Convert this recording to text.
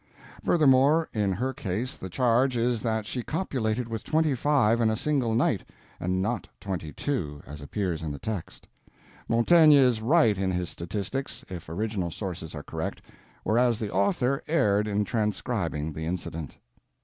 Furthermore, in her case the charge is that she copulated with twenty five in a single night, and not twenty two, as appears in the text. Montaigne is right in his statistics, if original sources are correct, whereas the author erred in transcribing the incident.